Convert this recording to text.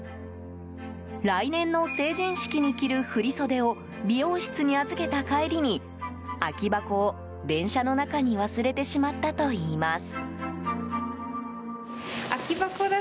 来年の成人式に着る振り袖を美容室に預けた帰りに空き箱を電車の中に忘れてしまったといいます。